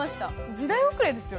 時代遅れですよ